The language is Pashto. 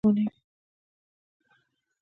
که په هر ساعت کې د کارګر مزد هماغه لس افغانۍ وي